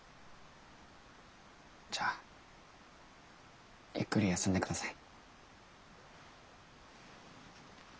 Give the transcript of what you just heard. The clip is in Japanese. じゃあゆっくり休んで下さい。